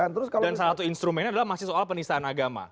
dan salah satu instrumennya adalah masih soal penisahan agama